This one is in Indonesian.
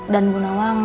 dan bu nawam